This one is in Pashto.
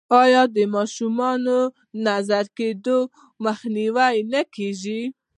آیا د ماشومانو د نظر کیدو مخنیوی نه کیږي؟